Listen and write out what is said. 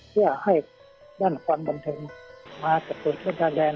เพื่อให้ด้านความบันเทิงมากับตัวดาลแรม